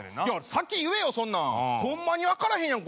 先言えよそんなん。ホンマに分からへんやん